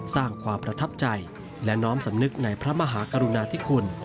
สร้างความประทับใจและน้อมสำนึกในพระมหากรุณาธิคุณ